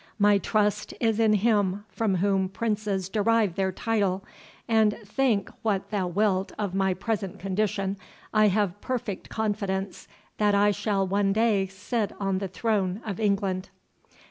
My trust is in Him from whom princes derive their title, and, think what thou wilt of my present condition, I have perfect confidence that I shall one day sit on the throne of England."